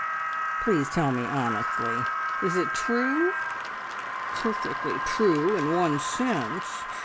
Please tell me honestly Is it true?" "Perfectly true in one sense.